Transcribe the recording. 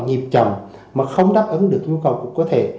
nhiệp chậm mà không đáp ứng được nhu cầu của cơ thể